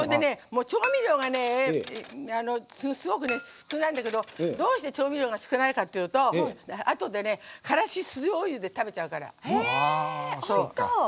調味料が、すごく少ないんだけどどうして、調味料が少ないかっていうとあとで、からし酢じょうゆで食べちゃうから。